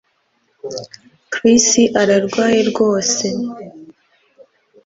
Chris ararwaye rwose